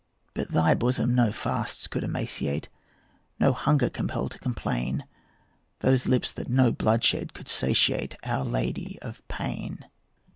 But thy bosom no fasts could emaciate, No hunger compel to complain Those lips that no bloodshed could satiate, Our Lady of Pain.